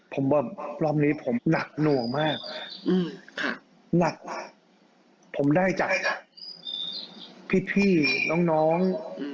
ผมบอกว่ารอบนี้ผมหนักหน่วงมากอืมค่ะหนักผมได้จากพี่พี่น้องน้อง